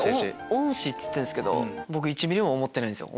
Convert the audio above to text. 恩師っつってるんすけど僕１ミリも思ってないんすよ。